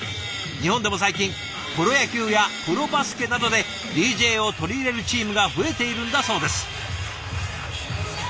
日本でも最近プロ野球やプロバスケなどでＤＪを取り入れるチームが増えているんだそうです。